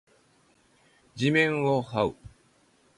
地面を這う